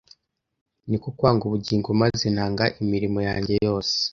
Ni ko kwanga ubugingo Maze nanga imirimo yanjye yose